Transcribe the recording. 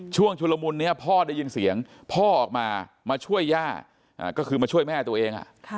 ชุลมุนนี้พ่อได้ยินเสียงพ่อออกมามาช่วยย่าก็คือมาช่วยแม่ตัวเอง